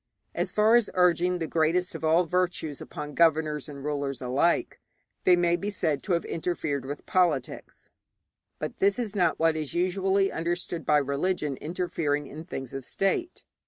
As far as urging the greatest of all virtues upon governors and rulers alike, they may be said to have interfered with politics; but this is not what is usually understood by religion interfering in things of state.